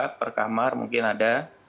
satu kamar mungkin ada